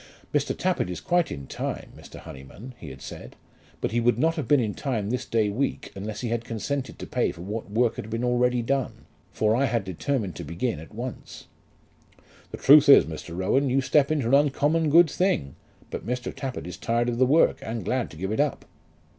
"Mr. Tappitt is quite in time, Mr. Honyman," he had said. "But he would not have been in time this day week unless he had consented to pay for what work had been already done; for I had determined to begin at once." "The truth is, Mr. Rowan, you step into an uncommon good thing; but Mr. Tappitt is tired of the work, and glad to give it up."